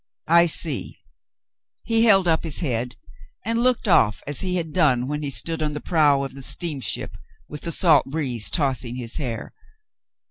"I see.'* He held up his head and looked off as he had done when he stood on the prow of the steamship, with the salt breeze tossing his hair.